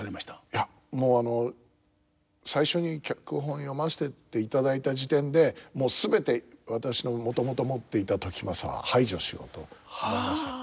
いやもう最初に脚本を読ませていただいた時点でもう全て私のもともと持っていた時政は排除しようと思いました。